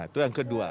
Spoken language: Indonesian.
itu yang kedua